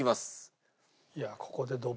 いやここで。